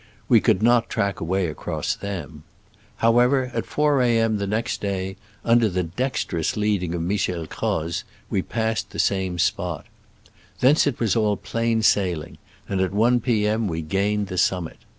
We could not track a way across them. However, at 4 a. m. the next day, under the dexterous leading of Michael Croz, we passed the doubtful spot. Thence it was all plain sailing, and at i p. m. we gained the summit.